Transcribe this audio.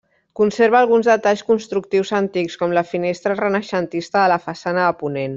Conserva alguns detalls constructius antics, com la finestra renaixentista de la façana de ponent.